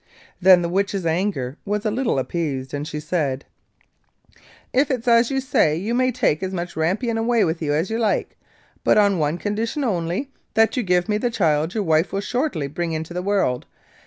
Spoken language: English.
Then the Witch's anger was a little appeased, and she said: 'If it's as you say, you may take as much rampion away with you as you like, but on one condition only—that you give me the child your wife will shortly bring into the world.